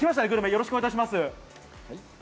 よろしくお願いします。